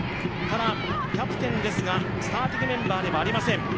キャプテンですが、スターティングメンバーではありません。